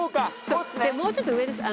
そうもうちょっと上です。